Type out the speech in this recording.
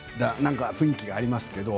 雰囲気がありますけれども。